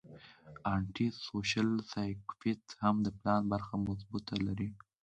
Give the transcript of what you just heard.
انټي سوشل سايکوپېت هم د پلان برخه مضبوطه لري